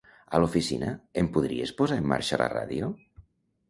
A l'oficina, em podries posar en marxa la ràdio?